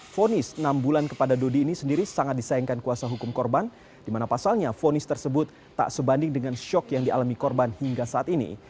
fonis enam bulan kepada dodi ini sendiri sangat disayangkan kuasa hukum korban di mana pasalnya fonis tersebut tak sebanding dengan shock yang dialami korban hingga saat ini